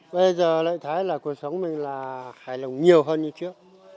bây giờ lại thấy là cuộc sống mình là hài lòng nhiều hơn như trước